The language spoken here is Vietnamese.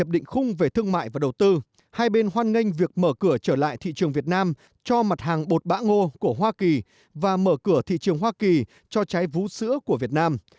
định khung về thương mại và đầu tư hai bên hoan nghênh việc mở cửa trở lại thị trường việt nam cho mặt hàng bột bã ngô của hoa kỳ và mở cửa thị trường hoa kỳ cho trái vũ sữa của việt nam